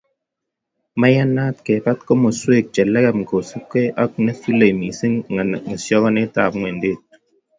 Maiyanat kebat komosweek che legem kosupgei ako ne sulei missing ng'asyaknatetab ing'wendet.